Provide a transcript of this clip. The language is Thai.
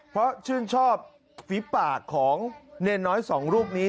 เพราะชื่นชอบฝีปากของเนรน้อยสองรูปนี้